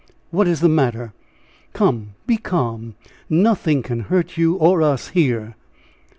What is the matter? Come, be calm! Nothing can hurt you or us here!"